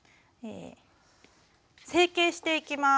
成形していきます。